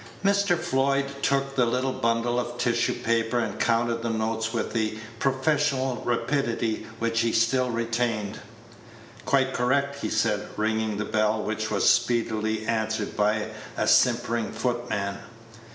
Mr. Floyd took the little bundle of tissue paper, and counted the notes with the professional rapidity which he still retained. "Quite correct," he said, ringing the bell, which was speedily answered by a simpering footman.